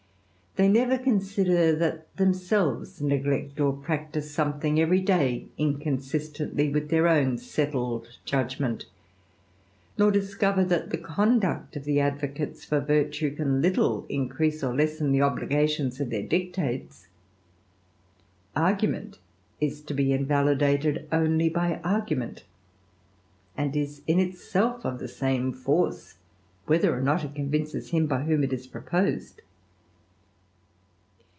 They never conside that themselves neglect or practise something every da inconsistently with their own settled judgment, nor discove that the conduct of the advocates for virtue can littl increase, or lessen, the obligations of their dictates ; argc ment is to be invalidated only by argument, and is in itsd of the same force, whether or not it convinces him by when it is proposed.